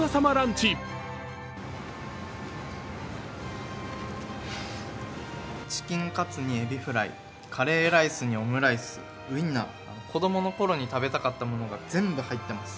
チキンカツにエビフライ、カレーライスにオムライス、ウインナー、子供の頃に食べたかったものが全部、入っています。